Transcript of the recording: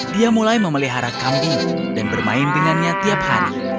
dia mulai memelihara kambing dan bermain dengannya tiap hari